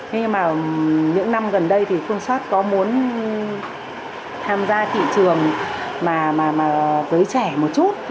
nhưng mà những năm gần đây thì phương xoát có muốn tham gia thị trường với trẻ một chút